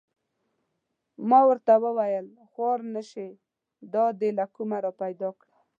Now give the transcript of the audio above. ما ورته و ویل: خوار نه شې دا دې له کومه را پیدا کړه؟